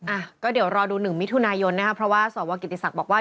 อ่ะก็เดี๋ยวรอดูหนึ่งมิถุนายนนะครับเพราะว่าสวกิติศักดิ์บอกว่า